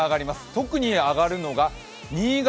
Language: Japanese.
特に上がるのが新潟。